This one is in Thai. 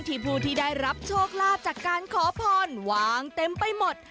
ผู้ที่ได้รับโชคลาภจากการขอพรวางเต็มไปหมด